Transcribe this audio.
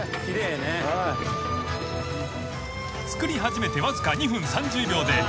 ［作り始めてわずか２分３０秒で］